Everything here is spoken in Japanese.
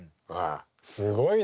すごいな。